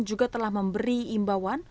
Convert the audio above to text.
juga telah memberi imbauan